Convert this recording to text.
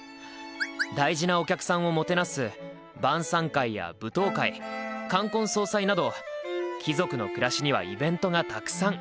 大事なお客さんをもてなす晩さん会や舞踏会冠婚葬祭など貴族の暮らしにはイベントがたくさん。